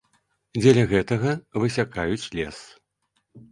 Дзеля гэтага высякаюць лес.